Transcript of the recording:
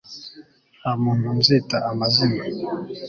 nta muntu nzita amazina